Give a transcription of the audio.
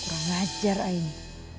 kurang ajar aini